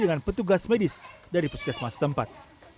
dengan petugas medis dari puskesmas tempat